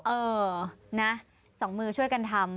เออนะสองมือช่วยกันทำ